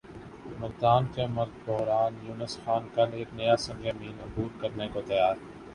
مردان کےمرد بحران یونس خان کل ایک نیا سنگ میل عبور کرنے کو تیار